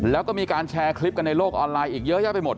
แล้วก็มีการแชร์คลิปกันในโลกออนไลน์อีกเยอะแยะไปหมด